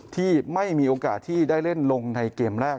ที่ไม่มีโอกาสที่ได้เล่นลงในเกมแรก